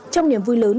trong niềm vui lớn